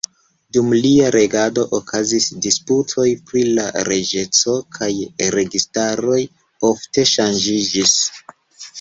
Dum lia regado okazis disputoj pri la reĝeco, kaj registaroj ofte ŝanĝiĝis.